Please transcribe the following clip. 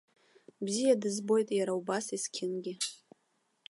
Бзиа дызбоит иара убас есқьынгьы.